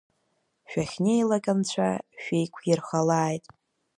Шәахьнеилак Анцәа шәеиқәиршәалааит!